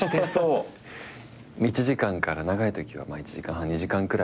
１時間から長いときは１時間半２時間くらい。